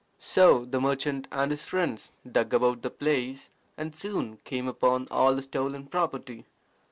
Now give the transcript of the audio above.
So the merchant and his friends dug about the place, and soon came upon all the stolen property.